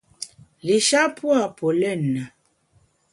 Li-sha pua’ polena.